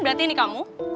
berarti ini kamu